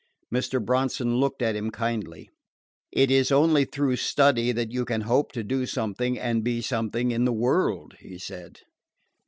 Mr. Bronson looked at him kindly. "It is only through study that you can hope to do something and be something in the world," he said.